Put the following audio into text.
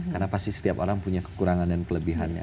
karena pasti setiap orang punya kekurangan dan kelebihannya